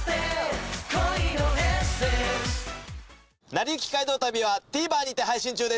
『なりゆき街道旅』はＴＶｅｒにて配信中です。